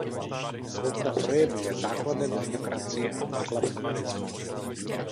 Svoboda projevu je základem demokracie a parlamentarismu.